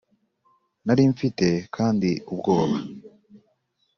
Nari mfite kandi ubwoba